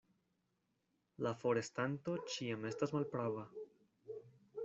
La forestanto ĉiam estas malprava.